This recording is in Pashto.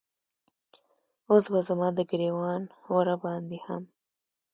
اوس به زما د ګریوان وره باندې هم